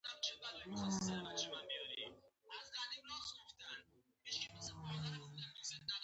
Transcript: هغه له خپلو ملګرو څخه جلا کیږي.